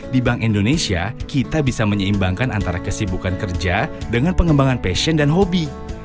di bank indonesia kita bisa menyeimbangkan antara kesibukan kerja dengan pengembangan passion dan hobi